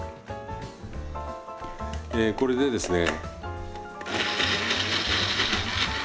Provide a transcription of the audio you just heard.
えこれでですね。